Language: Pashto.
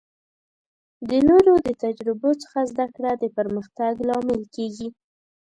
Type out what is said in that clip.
د نورو د تجربو څخه زده کړه د پرمختګ لامل کیږي.